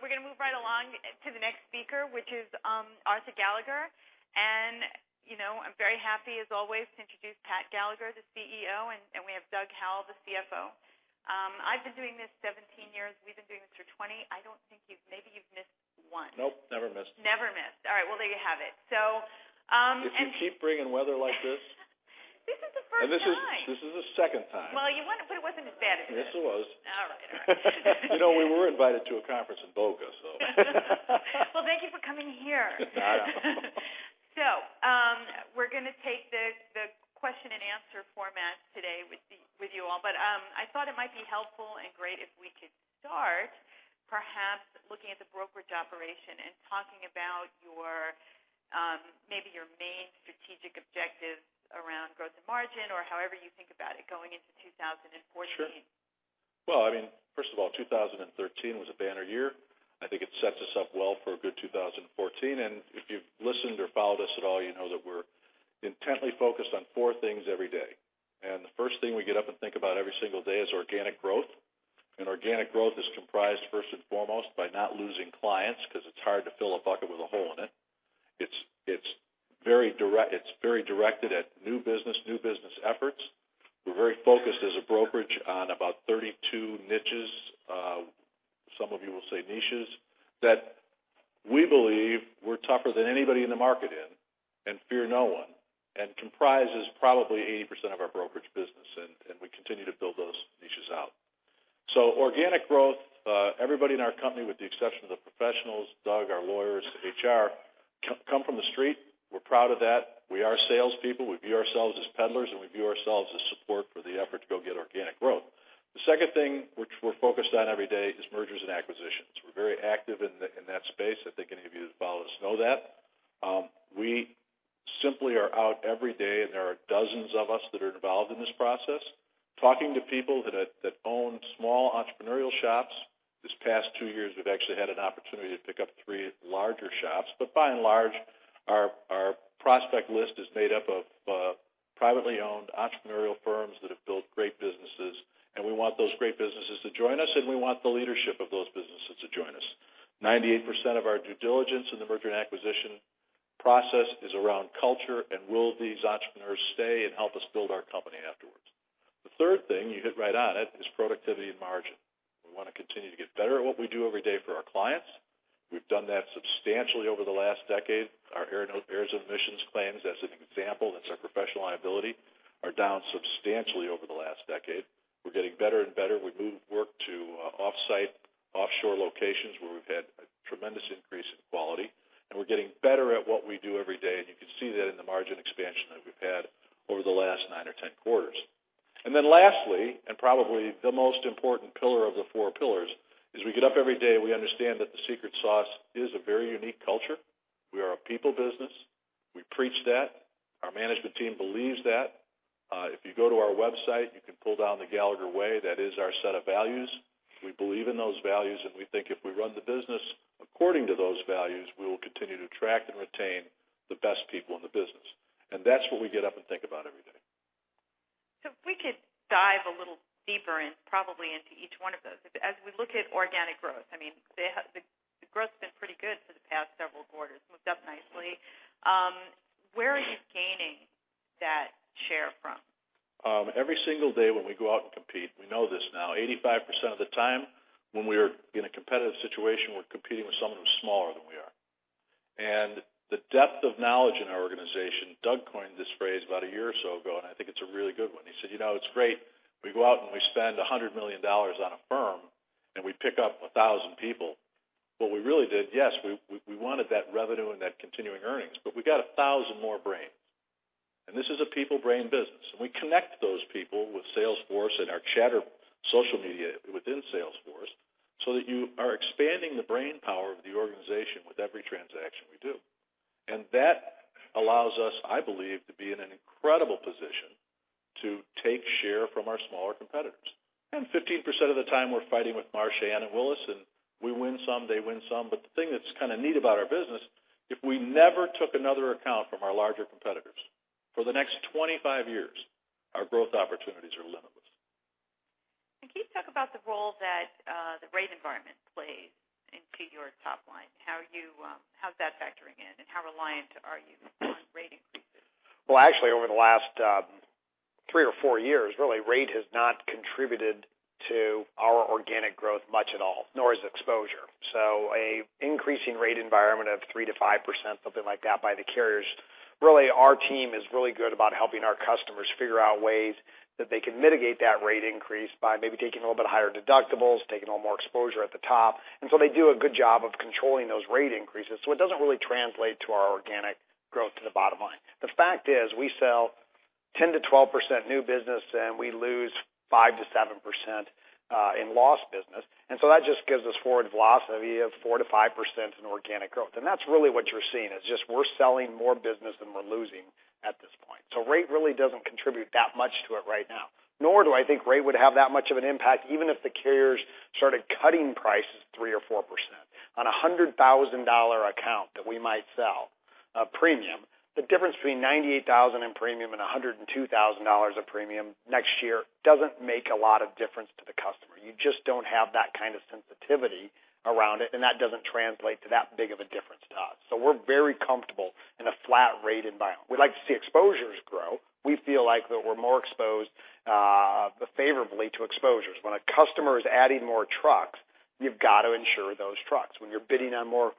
We're going to move right along to the next speaker, which is Arthur Gallagher. I'm very happy, as always, to introduce Pat Gallagher, the CEO, and we have Doug Howell, the CFO. I've been doing this 17 years. We've been doing this for 20. I don't think you've, maybe you've missed one. Nope, never missed. Never missed. All right. Well, there you have it. If you keep bringing weather like this. This is the first time. This is the second time. Well, it wasn't as bad as this. Yes, it was. All right. You know, we were invited to a conference in Boca. Well, thank you for coming here. Yeah. We're going to take the question and answer format today with you all. I thought it might be helpful and great if we could start perhaps looking at the brokerage operation and talking about maybe your main strategic objectives around growth and margin, or however you think about it going into 2014. Sure. Well, first of all, 2013 was a banner year. I think it sets us up well for a good 2014. If you've listened or followed us at all, you know that we're intently focused on four things every day. The first thing we get up and think about every single day is organic growth. Organic growth is comprised first and foremost by not losing clients because it's hard to fill a bucket with a hole in it. It's very directed at new business efforts. We're very focused as a brokerage on about 32 niches. Some of you will say niches that we believe we're tougher than anybody in the market in, and fear no one, and comprises probably 80% of our brokerage business, and we continue to build those niches out. Organic growth, everybody in our company, with the exception of the professionals, Doug, our lawyers, HR, come from the street. We're proud of that. We are salespeople. We view ourselves as peddlers, and we view ourselves as support for the effort to go get organic growth. The second thing which we're focused on every day is mergers and acquisitions. We're very active in that space. I think any of you that follow us know that. We simply are out every day, and there are dozens of us that are involved in this process, talking to people that own small entrepreneurial shops. This past two years, we've actually had an opportunity to pick up three larger shops. By and large, our prospect list is made up of privately owned entrepreneurial firms that have built great businesses, and we want those great businesses to join us, and we want the leadership of those businesses to join us. 98% of our due diligence in the merger and acquisition process is around culture, and will these entrepreneurs stay and help us build our company afterwards? The third thing, you hit right on it, is productivity and margin. We want to continue to get better at what we do every day for our clients. We've done that substantially over the last decade. Our errors and omissions claims, as an example, that's our professional liability, are down substantially over the last decade. We're getting better and better. We've moved work to offsite, offshore locations where we've had a tremendous increase in quality, and we're getting better at what we do every day. You can see that in the margin expansion that we've had over the last 9 or 10 quarters. Lastly, and probably the most important pillar of the four pillars is we get up every day, we understand that the secret sauce is a very unique culture. We are a people business. We preach that. Our management team believes that. If you go to our website, you can pull down The Gallagher Way. That is our set of values. We believe in those values, and we think if we run the business according to those values, we will continue to attract and retain the best people in the business. That's what we get up and think about every day. if we could dive a little deeper, probably into each one of those. As we look at organic growth, the growth's been pretty good for the past several quarters. Moved up nicely. Where are you gaining that share from? Every single day when we go out and compete, we know this now, 85% of the time when we are in a competitive situation, we're competing with someone who's smaller than we are. The depth of knowledge in our organization, Doug coined this phrase about a year or so ago, and I think it's a really good one. He said, "It's great. We go out and we spend $100 million on a firm, and we pick up 1,000 people." What we really did, yes, we wanted that revenue and that continuing earnings, but we got 1,000 more brains. This is a people brain business. We connect those people with Salesforce and our Chatter social media within Salesforce, so that you are expanding the brain power of the organization with every transaction we do. That allows us, I believe, to be in an incredible position to take share from our smaller competitors. 15% of the time, we're fighting with Marsh, Aon, and Willis, and we win some, they win some. The thing that's kind of neat about our business, if we never took another account from our larger competitors for the next 25 years, our growth opportunities are limitless. Can you talk about the role that the rate environment plays into your top line? How's that factoring in, and how reliant are you on rate increases? Well, actually, over the last three or four years, really, rate has not contributed to our organic growth much at all, nor has exposure. An increasing rate environment of 3%-5%, something like that by the carriers, really, our team is really good about helping our customers figure out ways that they can mitigate that rate increase by maybe taking a little bit higher deductibles, taking on more exposure at the top. They do a good job of controlling those rate increases. It doesn't really translate to our organic growth to the bottom line. The fact is, we sell 10%-12% new business, and we lose 5%-7% in lost business. That just gives us forward velocity of 4%-5% in organic growth. That's really what you're seeing is just we're selling more business than we're losing at this point. Rate really doesn't contribute that much to it right now, nor do I think rate would have that much of an impact even if the carriers started cutting prices 3% or 4%. On a $100,000 account that we might sell A premium. The difference between $98,000 in premium and $102,000 of premium next year doesn't make a lot of difference to the customer. You just don't have that kind of sensitivity around it, and that doesn't translate to that big of a difference to us. We're very comfortable in a flat rate environment. We like to see exposures grow. We feel like that we're more exposed favorably to exposures. When a customer is adding more trucks, you've got to insure those trucks. When you're bidding on more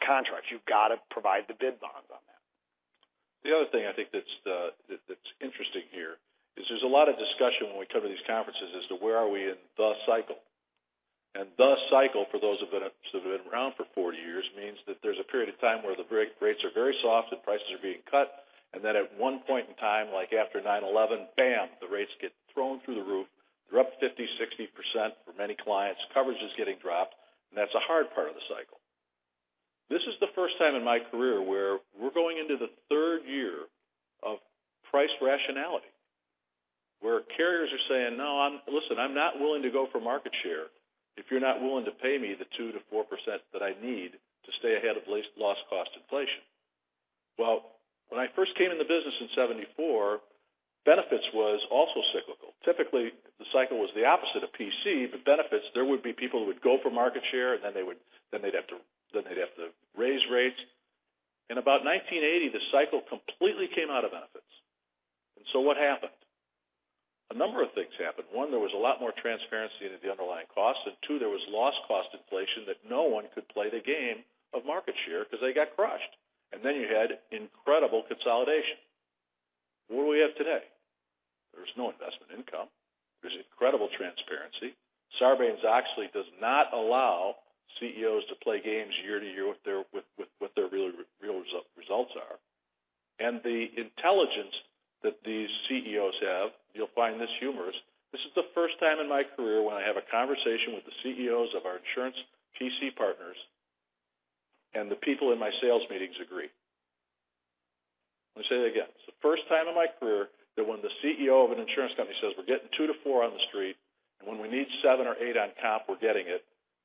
contracts, you've got to provide the bid bonds on that. The other thing I think that's interesting here is there's a lot of discussion when we come to these conferences as to where are we in the cycle. The cycle, for those that have been around for 40 years, means that there's a period of time where the rates are very soft and prices are being cut, then at one point in time, like after 9/11, bam, the rates get thrown through the roof. They're up 50%-60% for many clients. Coverage is getting dropped. That's a hard part of the cycle. This is the first time in my career where we're going into the third year of price rationality, where carriers are saying, "No, listen, I'm not willing to go for market share if you're not willing to pay me the 2%-4% that I need to stay ahead of loss cost inflation." When I first came into the business in 1974, benefits was also cyclical. Typically, the cycle was the opposite of PC, but benefits, there would be people who would go for market share, and then they'd have to raise rates. In about 1980, the cycle completely came out of benefits. What happened? A number of things happened. One, there was a lot more transparency into the underlying cost. Two, there was loss cost inflation that no one could play the game of market share because they got crushed. You had incredible consolidation. What do we have today? There's no investment income. There's incredible transparency. Sarbanes-Oxley does not allow CEOs to play games year to year with what their real results are. The intelligence that these CEOs have, you'll find this humorous. This is the first time in my career when I have a conversation with the CEOs of our insurance PC partners, and the people in my sales meetings agree. I'm going to say that again. It's the first time in my career that when the CEO of an insurance company says we're getting 2-4 on the street, and when we need 7 or 8 on comp, we're getting it,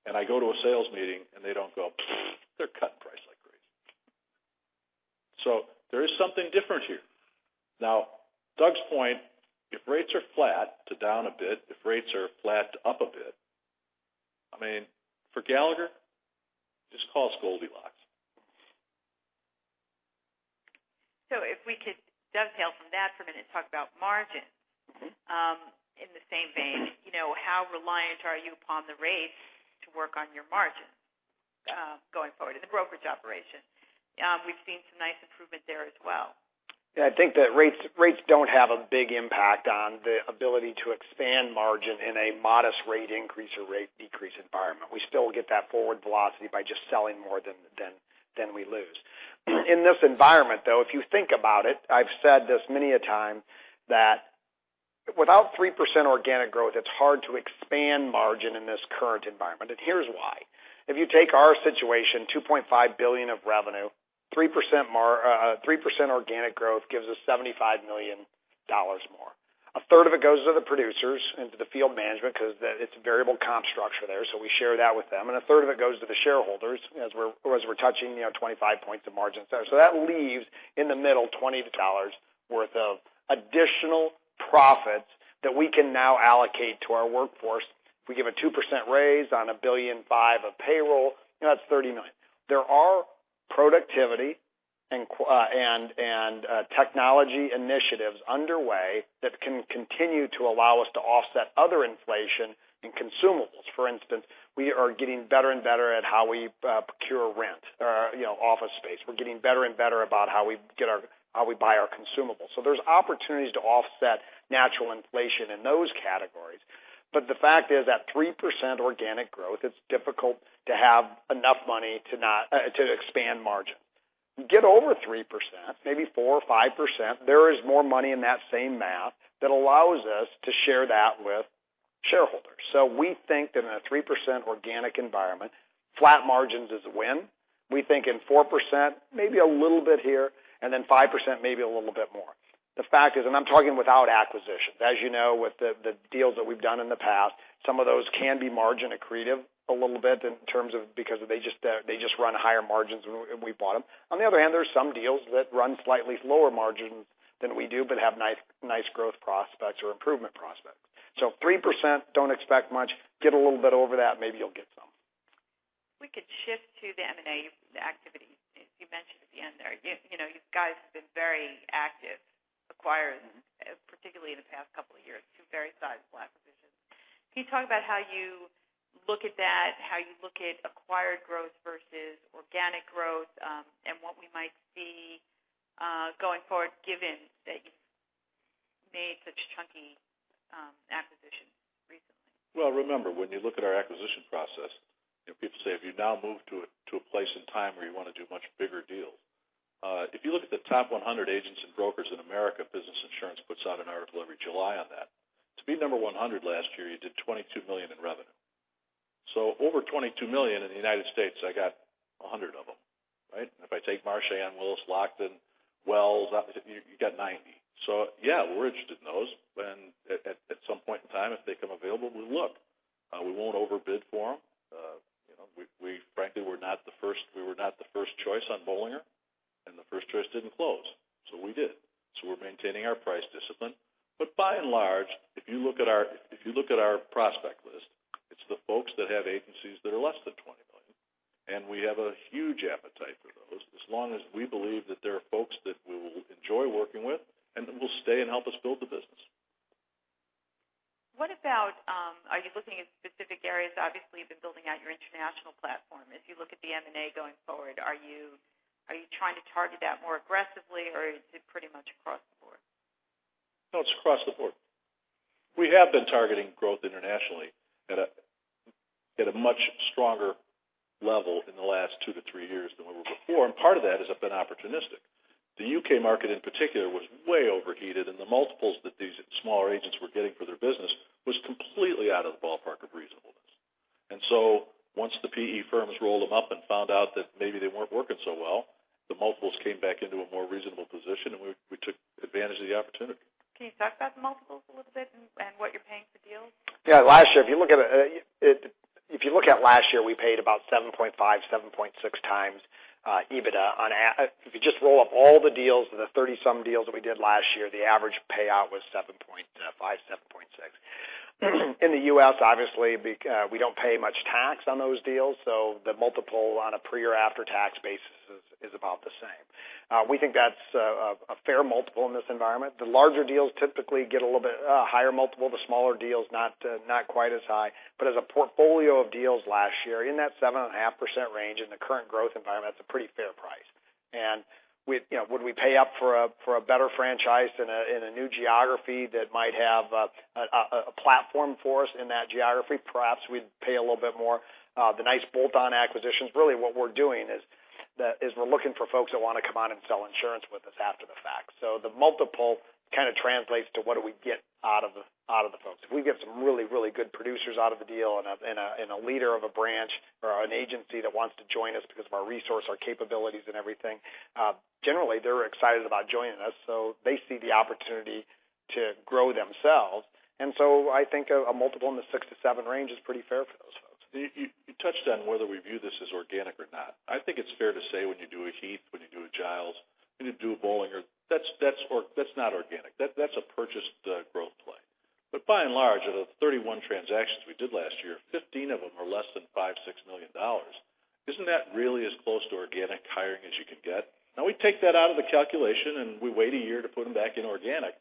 and I go to a sales meeting and they don't go, "Pfft, they're cutting price like crazy." There is something different here. Doug's point, if rates are flat to down a bit, if rates are flat up a bit, I mean, for Gallagher, just call us Goldilocks. If we could dovetail from that for a minute and talk about margins in the same vein. How reliant are you upon the rates to work on your margins going forward in the brokerage operation? We've seen some nice improvement there as well. Yeah, I think that rates don't have a big impact on the ability to expand margin in a modest rate increase or rate decrease environment. We still get that forward velocity by just selling more than we lose. In this environment, though, if you think about it, I've said this many a time that without 3% organic growth, it's hard to expand margin in this current environment. Here's why. If you take our situation, $2.5 billion of revenue, 3% organic growth gives us $75 million more. A third of it goes to the producers into the field management because it's a variable comp structure there, so we share that with them. A third of it goes to the shareholders as we're touching 25 points of margin. That leaves in the middle $20 worth of additional profits that we can now allocate to our workforce. If we give a 2% raise on $1.5 billion of payroll, that's $30 million. There are productivity and technology initiatives underway that can continue to allow us to offset other inflation in consumables. For instance, we are getting better and better at how we procure rent, office space. We're getting better and better about how we buy our consumables. There's opportunities to offset natural inflation in those categories. The fact is, at 3% organic growth, it's difficult to have enough money to expand margin. You get over 3%, maybe 4% or 5%, there is more money in that same math that allows us to share that with shareholders. We think in a 3% organic environment, flat margins is a win. We think in 4%, maybe a little bit here, 5%, maybe a little bit more. The fact is, I'm talking without acquisitions. As you know, with the deals that we've done in the past, some of those can be margin accretive a little bit in terms of because they just run higher margins when we bought them. On the other hand, there's some deals that run slightly lower margins than we do but have nice growth prospects or improvement prospects. 3%, don't expect much. Get a little bit over that, maybe you'll get some. If we could shift to the M&A activity. You mentioned at the end there, you guys have been very active acquirers, particularly in the past couple of years, two very sizable acquisitions. Can you talk about how you look at that, how you look at acquired growth versus organic growth and what we might see going forward given that you've made such chunky acquisitions recently? Remember, when you look at our acquisition process, people say, have you now moved to a place in time where you want to do much bigger deals? If you look at the top 100 agents and brokers in America, Business Insurance puts out an article every July on that. To be number 100 last year, you did $22 million in revenue. Over $22 million in the U.S., I got 100 of them, right? If I take Marsh, Aon, Willis, Lockton, Wells, you got 90. Yeah, we're interested in those. At some point in time, if they come available, we look. We won't overbid for them. Frankly, we were not the first choice on Bollinger, and the first choice didn't close, we did. We're maintaining our price discipline. By and large, if you look at our prospect list, it's the folks that have agencies that are less than $20 million, we have a huge appetite for those, as long as we believe that there are folks that we will enjoy working with and that will stay and help us build the business. What about are you looking at specific areas? Obviously, you've been building out your international platform. As you look at the M&A going forward, are you trying to target that more aggressively, or is it pretty much across the board? It's across the board. We have been targeting growth internationally at a much stronger level in the last two to three years than we were before, part of that is I've been opportunistic. The U.K. market, in particular, was way overheated, the multiples that these smaller agents were getting for their business was completely out of the ballpark of reasonableness. Once the PE firms rolled them up and found out that maybe they weren't working so well, the multiples came back into a more reasonable position, we took advantage of the opportunity. Can you talk about the multiples a little bit and what you're paying for deals? Yeah. If you look at last year, we paid about 7.5, 7.6 times EBITDA. If you just roll up all the deals, the 30-some deals that we did last year, the average payout was 7.5, 7.6. In the U.S., obviously, we don't pay much tax on those deals, so the multiple on a pre or after-tax basis is about the same. We think that's a fair multiple in this environment. The larger deals typically get a little bit higher multiple. The smaller deals, not quite as high. As a portfolio of deals last year, in that 7.5% range in the current growth environment, that's a pretty fair price. Would we pay up for a better franchise in a new geography that might have a platform for us in that geography? Perhaps we'd pay a little bit more. The nice bolt-on acquisitions, really what we're doing is we're looking for folks that want to come on and sell insurance with us after the fact. The multiple kind of translates to what do we get out of the folks. If we get some really, really good producers out of the deal and a leader of a branch or an agency that wants to join us because of our resource, our capabilities, and everything, generally, they're excited about joining us. They see the opportunity to grow themselves. I think a multiple in the six to seven range is pretty fair for those folks. You touched on whether we view this as organic or not. I think it's fair to say when you do a Heath, when you do a Giles, when you do a Bollinger, that's not organic. That's a purchased growth play. By and large, of the 31 transactions we did last year, 15 of them are less than $5 million, $6 million. Isn't that really as close to organic hiring as you can get? Now, we take that out of the calculation, we wait a year to put them back in organic.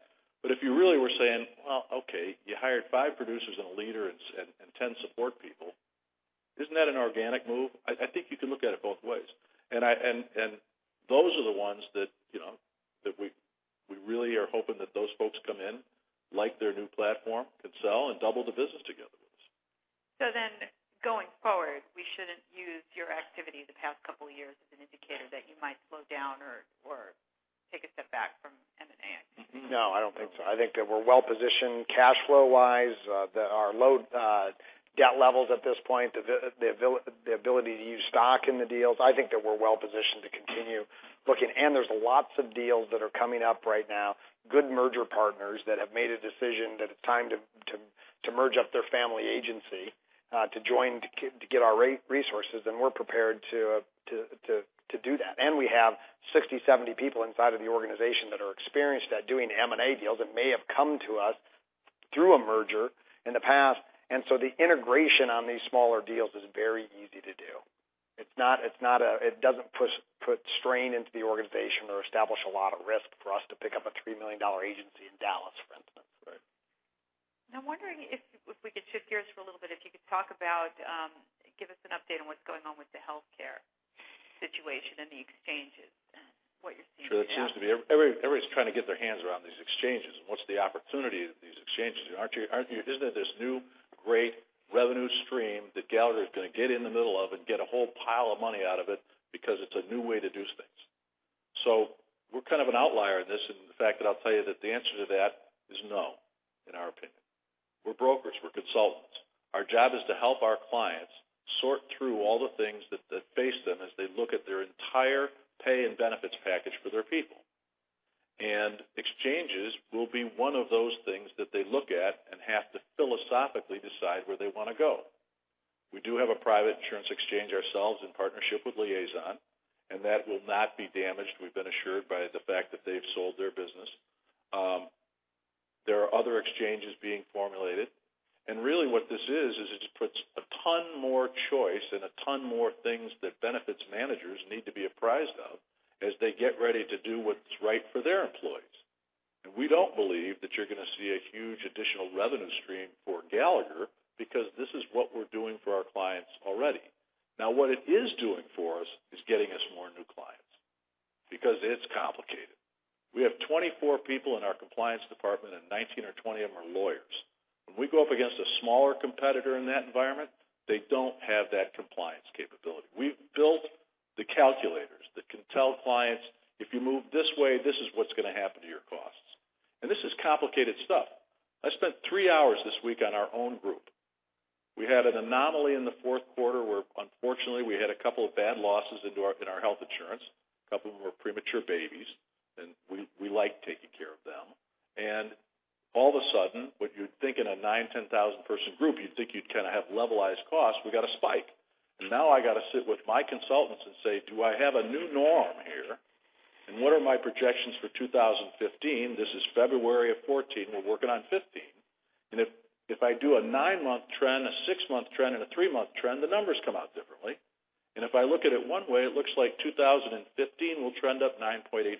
If you really were saying, well, okay, you hired five producers and a leader and 10 support people, isn't that an organic move? I think you could look at it both ways. Those are the ones that we really are hoping that those folks come in, like their new platform, can sell, and double the business together with us. Going forward, we shouldn't use your activity the past couple of years as an indicator that you might slow down or take a step back from M&A activity. No, I don't think so. I think that we're well-positioned cash flow wise. Our low debt levels at this point, the ability to use stock in the deals, I think that we're well positioned to continue looking. There's lots of deals that are coming up right now, good merger partners that have made a decision that it's time to merge up their family agency, to join, to get our resources, and we're prepared to do that. We have 60, 70 people inside of the organization that are experienced at doing M&A deals that may have come to us through a merger in the past. The integration on these smaller deals is very easy to do. It doesn't put strain into the organization or establish a lot of risk for us to pick up a $3 million agency in Dallas, for instance. Right. I'm wondering if we could shift gears for a little bit, if you could talk about, give us an update on what's going on with the healthcare situation and the exchanges, what you're seeing there. Sure. It seems to be everybody's trying to get their hands around these exchanges, and what's the opportunity of these exchanges. Isn't it this new, great revenue stream that Gallagher is going to get in the middle of and get a whole pile of money out of it because it's a new way to do things? We're kind of an outlier in this, and the fact that I'll tell you that the answer to that is no, in our opinion. We're brokers. We're consultants. Our job is to help our clients sort through all the things that face them as they look at their entire pay and benefits package for their people. Exchanges will be one of those things that they look at and have to philosophically decide where they want to go. We do have a private insurance exchange ourselves in partnership with Liazon, and that will not be damaged, we've been assured, by the fact that they've sold their business. There are other exchanges being formulated, really what this is it just puts a ton more choice and a ton more things that benefits managers need to be apprised of as they get ready to do what's right for their employees. We don't believe that you're going to see a huge additional revenue stream for Gallagher because this is what we're doing for our clients already. What it is doing for us is getting us more new clients because it's complicated. We have 24 people in our compliance department, and 19 or 20 of them are lawyers. When we go up against a smaller competitor in that environment, they don't have that compliance capability. We've built the calculators that can tell clients, if you move this way, this is what's going to happen to your costs. This is complicated stuff. I spent three hours this week on our own group. We had an anomaly in the fourth quarter where unfortunately, we had a couple of bad losses in our health insurance. A couple of them were premature babies, and we like taking care of them. All of a sudden, what you'd think in a 9,000, 10,000 person group, you'd think you'd kind of have levelized costs, we got a spike. Now I got to sit with my consultants and say, "Do I have a new norm here? What are my projections for 2015?" This is February of 2014. We're working on 2015. If I do a nine-month trend, a six-month trend, and a three-month trend, the numbers come out differently. If I look at it one way, it looks like 2015 will trend up 9.8%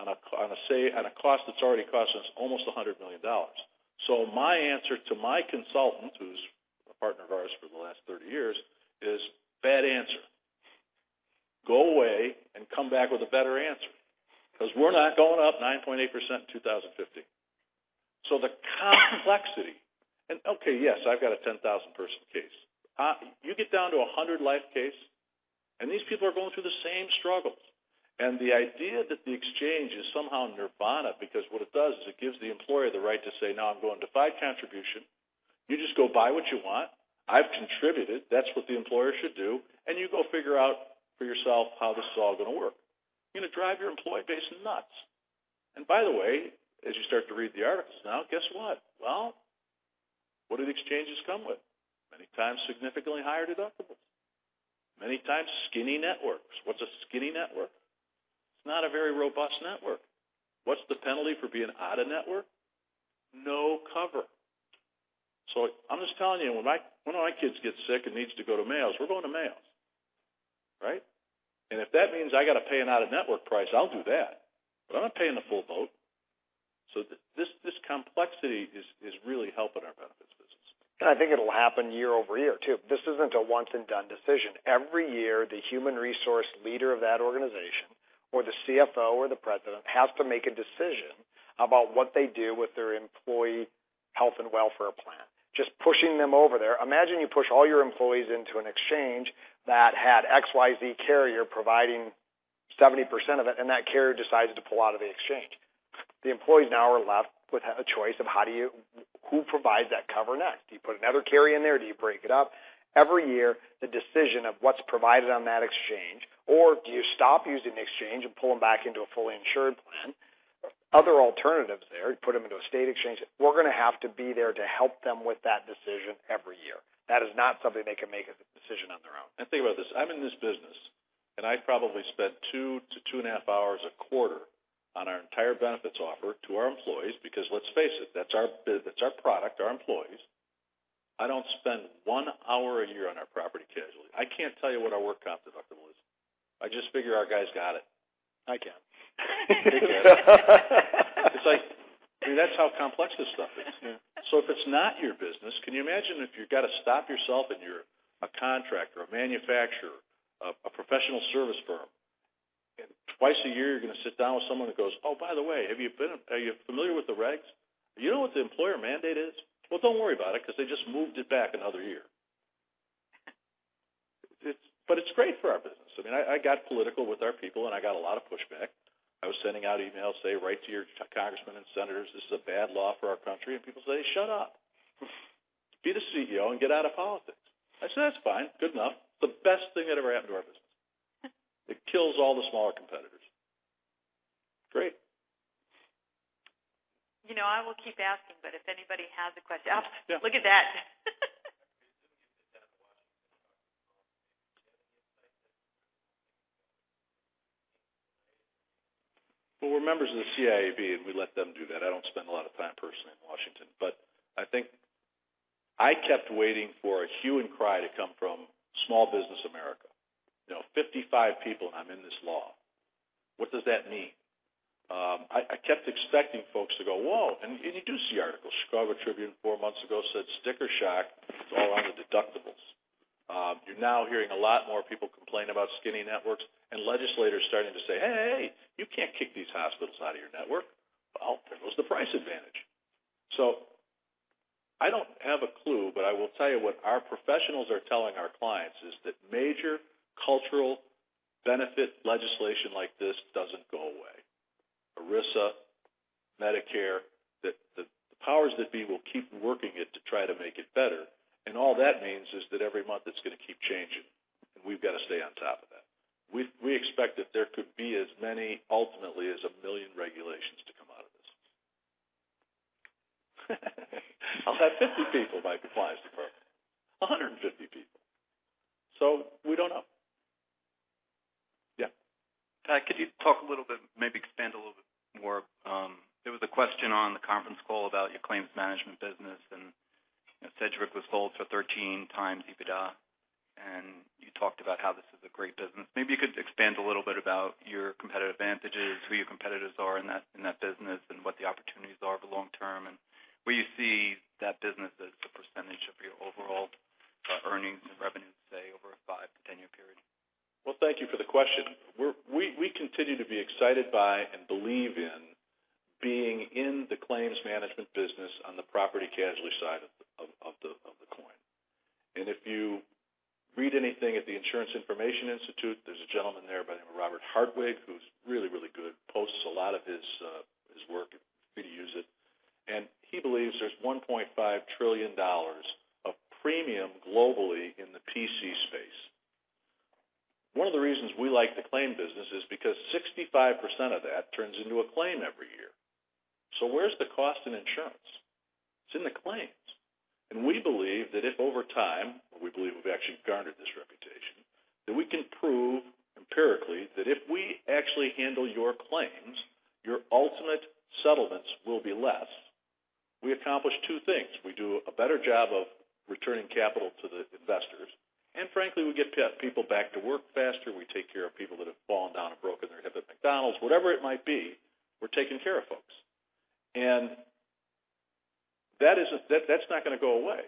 on a cost that's already costing us almost $100 million. My answer to my consultant, who's a partner of ours for the last 30 years, is, "Bad answer. Go away and come back with a better answer, because we're not going up 9.8% in 2015." The complexity. Okay, yes, I've got a 10,000 person case. You get down to 100 life case, these people are going through the same struggles. The idea that the exchange is somehow nirvana because what it does is it gives the employer the right to say, "Now I'm going defined contribution. You just go buy what you want. I've contributed." That's what the employer should do. You go figure out for yourself how this is all going to work. You're going to drive your employee base nuts. By the way, as you start to read the articles now, guess what? What do the exchanges come with? Many times, significantly higher deductibles. Many times, skinny networks. What's a skinny network? It's not a very robust network. What's the penalty for being out of network? No cover. I'm just telling you, when one of my kids gets sick and needs to go to Mayo, we're going to Mayo. Right. If that means I got to pay an out-of-network price, I'll do that. I'm not paying the full boat. This complexity is really helping our benefits business. I think it'll happen year-over-year, too. This isn't a once and done decision. Every year, the human resource leader of that organization or the CFO or the president has to make a decision about what they do with their employee health and welfare plan. Just pushing them over there. Imagine you push all your employees into an exchange that had XYZ carrier providing 70% of it. That carrier decided to pull out of the exchange. The employees now are left with a choice of who provides that cover next. Do you put another carrier in there? Do you break it up? Every year, the decision of what's provided on that exchange. Do you stop using the exchange and pull them back into a fully insured plan? Other alternatives there. You put them into a state exchange. We're going to have to be there to help them with that decision every year. That is not something they can make a decision on their own. Think about this. I'm in this business, and I probably spent two to two and a half hours a quarter on our entire benefits offer to our employees because let's face it, that's our product, our employees. I don't spend one hour a year on our property casualty. I can't tell you what our workers' compensation deductible is. I just figure our guys got it. I can. He can. I mean, that's how complex this stuff is. Yeah. If it's not your business, can you imagine if you've got to stop yourself and you're a contractor, a manufacturer, a professional service firm, and twice a year you're going to sit down with someone that goes, "Oh, by the way, are you familiar with the regs? Do you know what the employer mandate is? Well, don't worry about it because they just moved it back another year." It's great for our business. I mean, I got political with our people, and I got a lot of pushback. I was sending out emails saying, "Write to your congressman and senators. This is a bad law for our country." People say, "Shut up. Be the CEO and get out of politics." I said, "That's fine. Good enough." The best thing that ever happened to our business. It kills all the smaller competitors. Great. You know, I will keep asking, but if anybody has a question Oh, look at that. Well, we're members of the CIAB, and we let them do that. I don't spend a lot of time personally in Washington, but I think I kept waiting for a hue and cry to come from small business America. 55 people, I'm in this law. What does that mean? I kept expecting folks to go, "Whoa." You do see articles. Chicago Tribune four months ago said sticker shock is all on the deductibles. You're now hearing a lot more people complain about skinny networks, and legislators starting to say, "Hey, you can't kick these hospitals out of your network." Well, there goes the price advantage. I don't have a clue, but I will tell you what our professionals are telling our clients is that major cultural benefit legislation like this doesn't go away. ERISA, Medicare, the powers that be will keep working it to try to make it better. All that means is that every month it's going to keep changing, and we've got to stay on top of that. We expect that there could be as many, ultimately, as a million regulations to come out of this system. I'll have 50 people in my compliance department, 150 people. We don't know. Yeah. Could you talk a little bit, maybe expand a little bit more? There was a question on the conference call about your claims management business, and Sedgwick was sold for 13 times EBITDA, and you talked about how this is a great business. Maybe you could expand a little bit about your competitive advantages, who your competitors are in that business, and what the opportunities are for long term, and where you see that business as a percentage of your overall earnings and revenue, say, over a five to 10 year period. Well, thank you for the question. We continue to be excited by and believe in being in the claims management business on the property casualty side of the coin. If you read anything at the Insurance Information Institute, there's a gentleman there by the name of Robert Hartwig, who's really, really good, posts a lot of his work, free to use it. He believes there's $1.5 trillion of premium globally in the PC space. One of the reasons we like the claim business is because 65% of that turns into a claim every year. Where's the cost in insurance? It's in the claims. We believe that if over time, we believe we've actually garnered this reputation, that we can prove empirically that if we actually handle your claims, your ultimate settlements will be less. We accomplish two things. We do a better job of returning capital to the investors, frankly, we get people back to work faster. We take care of people that have fallen down and broken their hip at McDonald's, whatever it might be, we're taking care of folks. That's not going to go away.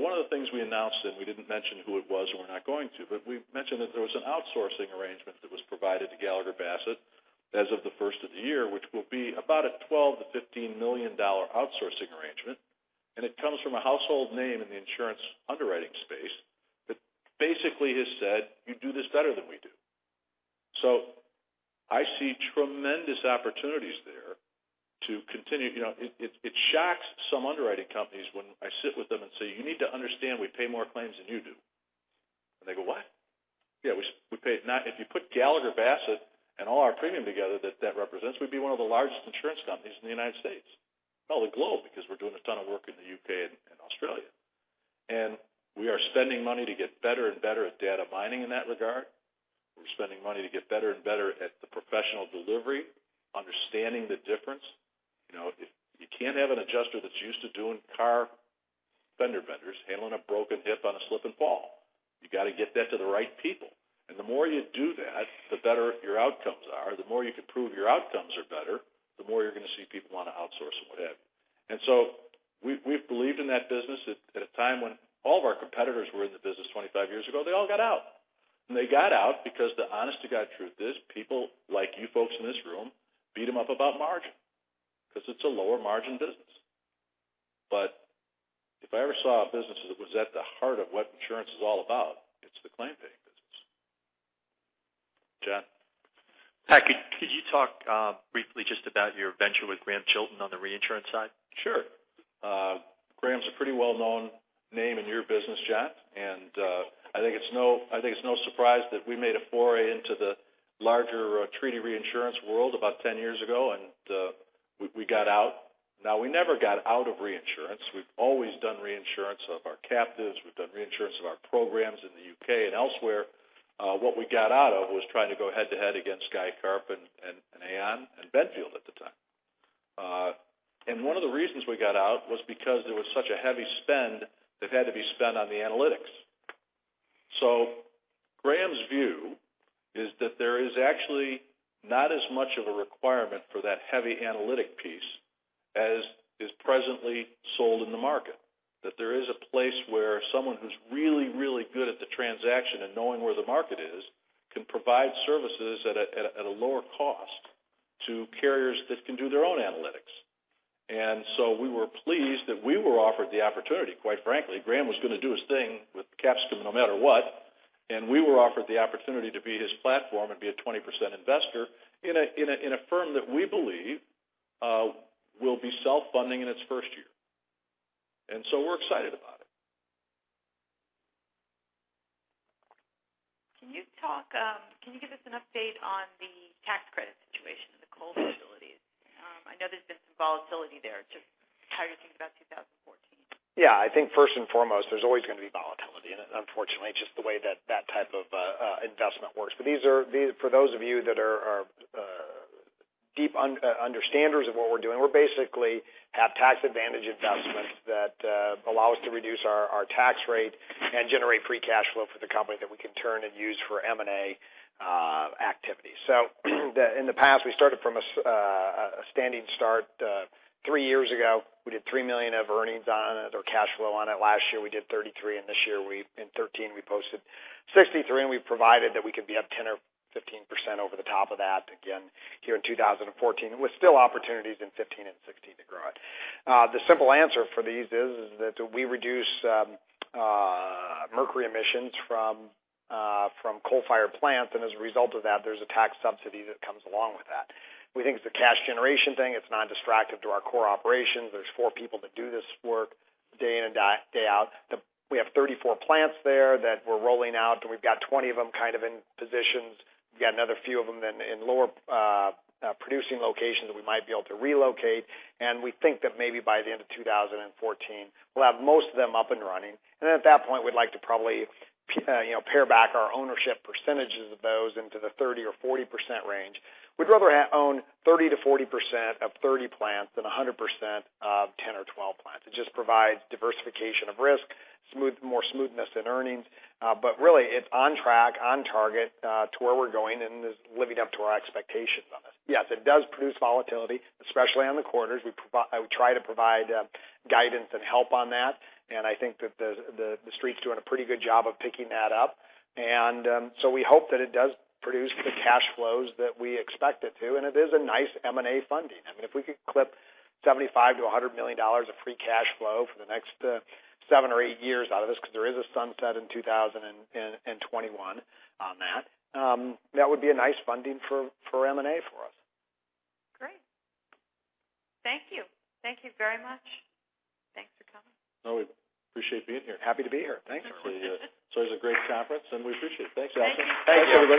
One of the things we announced, and we didn't mention who it was, and we're not going to, but we mentioned that there was an outsourcing arrangement that was provided to Gallagher Bassett as of the first of the year, which will be about a $12 million-$15 million outsourcing arrangement. It comes from a household name in the insurance underwriting space that basically has said, "You do this better than we do." I see tremendous opportunities there to continue. It shocks some underwriting companies when I sit with them and say, "You need to understand we pay more claims than you do." They go, "What?" Yeah. If you put Gallagher Bassett and all our premium together that that represents, we'd be one of the largest insurance companies in the U.S. Well, the globe, because we're doing a ton of work in the U.K. and Australia. We are spending money to get better and better at data mining in that regard. We're spending money to get better and better at the professional delivery, understanding the difference. You can't have an adjuster that's used to doing car fender benders handling a broken hip on a slip and fall. You got to get that to the right people. The more you do that, the better your outcomes are. The more you can prove your outcomes are better, the more you're going to see people want to outsource and what have you. We've believed in that business at a time when all of our competitors were in the business 25 years ago. They all got out. They got out because the honest to God truth is people like you folks in this room beat them up about margin because it's a lower margin business. If I ever saw a business that was at the heart of what insurance is all about, it's the claim paying business. John? Pat, could you talk briefly just about your venture with Grahame Chilton on the reinsurance side? Sure. Graham's a pretty well-known name in your business, John, I think it's no surprise that we made a foray into the larger treaty reinsurance world about 10 years ago, and we got out. Now, we never got out of reinsurance. We've always done reinsurance of our captives. We've done reinsurance of our programs in the U.K. and elsewhere. What we got out of was trying to go head-to-head against Guy Carpenter and Aon and Benfield at the time. One of the reasons we got out was because there was such a heavy spend that had to be spent on the analytics. Graham's view is that there is actually not as much of a requirement for that heavy analytic piece as is presently sold in the market. That there is a place where someone who's really, really good at the transaction and knowing where the market is can provide services at a lower cost to carriers that can do their own analytics. We were pleased that we were offered the opportunity, quite frankly. Graham was going to do his thing with Capsicum no matter what, we were offered the opportunity to be his platform and be a 20% investor in a firm that we believe will be self-funding in its first year. We're excited about it. Can you give us an update on the tax credit situation in the coal facilities? I know there's been some volatility there. Just how you think about 2014. Yeah. I think first and foremost, there's always going to be volatility in it, unfortunately. It's just the way that that type of investment works. For those of you that are deep understandings of what we're doing, we basically have tax advantage investments that allow us to reduce our tax rate and generate free cash flow for the company that we can turn and use for M&A activities. In the past, we started from a standing start. Three years ago, we did $3 million of earnings on it, or cash flow on it. Last year, we did $33, and this year, in 2013, we posted $63, and we've provided that we could be up 10% or 15% over the top of that again here in 2014, with still opportunities in 2015 and 2016 to grow it. The simple answer for these is that we reduce mercury emissions from coal-fired plants, as a result of that, there's a tax subsidy that comes along with that. We think it's a cash generation thing. It's non-distractive to our core operations. There's four people that do this work day in and day out. We have 34 plants there that we're rolling out, and we've got 20 of them kind of in positions. We've got another few of them in lower producing locations that we might be able to relocate. We think that maybe by the end of 2014, we'll have most of them up and running. At that point, we'd like to probably pare back our ownership percentages of those into the 30% or 40% range. We'd rather own 30%-40% of 30 plants than 100% of 10 or 12 plants. It just provides diversification of risk, more smoothness in earnings. Really it's on track, on target to where we're going and is living up to our expectations on this. Yes, it does produce volatility, especially on the quarters. I would try to provide guidance and help on that, I think that the street's doing a pretty good job of picking that up. We hope that it does produce the cash flows that we expect it to, and it is a nice M&A funding. I mean, if we could clip $75 million-$100 million of free cash flow for the next seven or eight years out of this, because there is a sunset in 2021 on that would be a nice funding for M&A for us. Great. Thank you. Thank you very much. Thanks for coming. We appreciate being here. Happy to be here. Thanks. It's always a great conference, and we appreciate it. Thanks, John. Thank you. Thanks, everybody.